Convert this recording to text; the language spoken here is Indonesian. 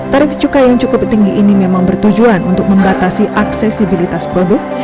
tarif cukai yang cukup tinggi ini memang bertujuan untuk membatasi aksesibilitas produk